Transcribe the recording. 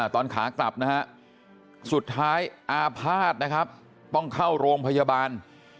ขากลับนะฮะสุดท้ายอาภาษณ์นะครับต้องเข้าโรงพยาบาล